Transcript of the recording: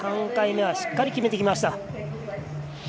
３回目はしっかり決めてきました。